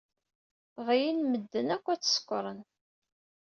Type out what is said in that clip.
Ɣyen medden akk ad t-sekren.